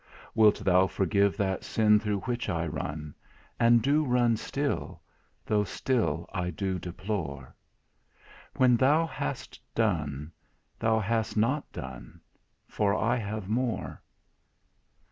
Wilt Thou forgive that sin through which I run, And do run still, though still I do deplore? When Thou hast done, Thou hast not done, For I have more.